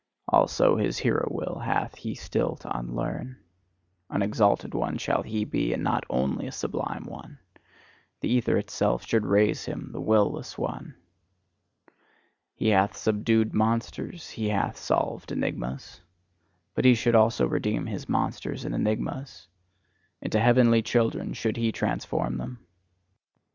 Also his hero will hath he still to unlearn: an exalted one shall he be, and not only a sublime one: the ether itself should raise him, the will less one! He hath subdued monsters, he hath solved enigmas. But he should also redeem his monsters and enigmas; into heavenly children should he transform them.